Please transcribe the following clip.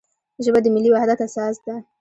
ژبه د ملي وحدت اساس ده.